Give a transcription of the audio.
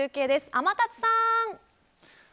天達さん。